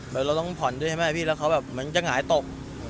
เราต้องผ่อนด้วยใช่ไหมพี่แล้วเขาแบบเหมือนจะหงายตก